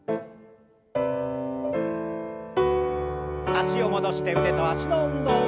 脚を戻して腕と脚の運動。